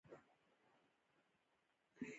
خپله چيغه د زمان پر منبر باندې اذانګه کړې ده.